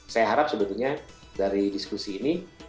saya harap sebetulnya dari diskusi ini